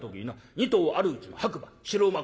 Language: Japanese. ２頭あるうちの白馬白馬